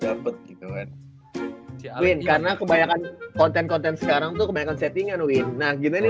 dapet gitu kan karena kebanyakan konten konten sekarang tuh kebanyakan settingan win nah gini